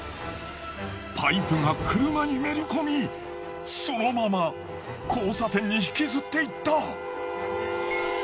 パイプが車にめり込みそのまま交差点に引きずっていった。